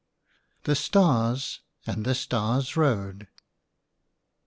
THE STARS AND THE STARS' ROAD.